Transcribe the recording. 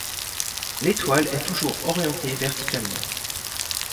L'étoile est toujours orientée verticalement.